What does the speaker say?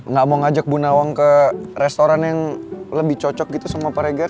gak mau ngajak bu nawang ke restoran yang lebih cocok gitu sama pak regar